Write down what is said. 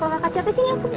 kalo gak kacau pesen ya aku